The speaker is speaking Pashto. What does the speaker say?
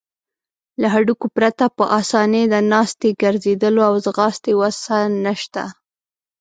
له هډوکو پرته په آسانۍ د ناستې، ګرځیدلو او ځغاستې وسه نشته.